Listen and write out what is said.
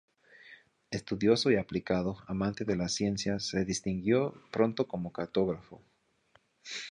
Estudioso y aplicado, amante de las ciencias, se distinguió pronto como cartógrafo.